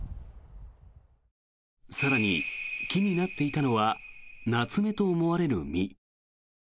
更に、木になっていたのはナツメと思われる実。